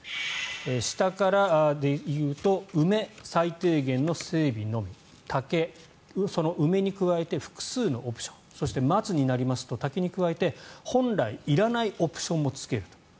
下から言うと梅、最低限の整備のみ竹、梅に加えて複数のオプションそして、松になりますと竹に加えて本来いらないオプションもつけると。